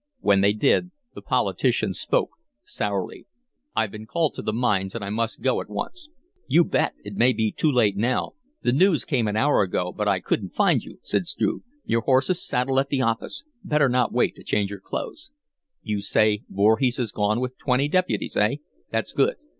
When they did, the politician spoke, sourly: "I've been called to the mines, and I must go at once." "You bet! It may be too late now. The news came an hour ago, but I couldn't find you," said Struve. "Your horse is saddled at the office. Better not wait to change your clothes." "You say Voorhees has gone with twenty deputies, eh? That's good.